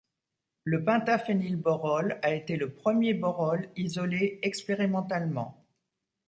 Le pentaphénylborole a été le premier borole isolé expérimentalement.